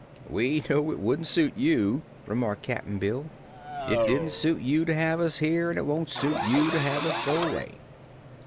"We knew it wouldn't suit you," remarked Cap'n Bill. "It didn't suit you to have us here, and it won't suit you to have us go away."